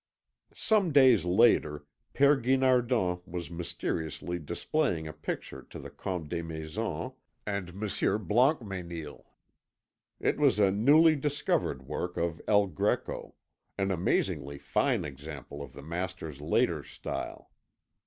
Some days later, Père Guinardon was mysteriously displaying a picture to the Comte Desmaisons and Monsieur Blancmesnil. It was a newly discovered work of El Greco, an amazingly fine example of the Master's later style.